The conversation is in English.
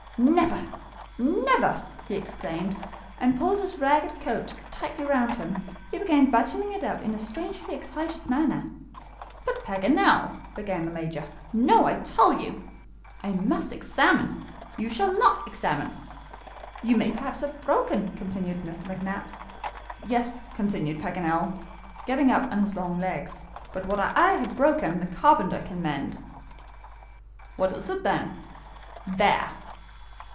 "Never! never!" he exclaimed, and pulling his ragged coat tightly round him, he began buttoning it up in a strangely excited manner. "But, Paganel," began the Major. "No, I tell you!" "I must examine " "You shall not examine." "You may perhaps have broken " continued McNabbs. "Yes," continued Paganel, getting up on his long legs, "but what I have broken the carpenter can mend." "What is it, then?" "There."